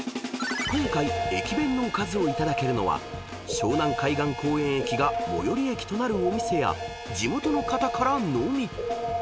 ［今回駅弁のおかずを頂けるのは湘南海岸公園駅が最寄駅となるお店や地元の方からのみ］